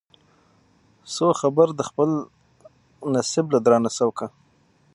سو خبر د خپل نصیب له درانه سوکه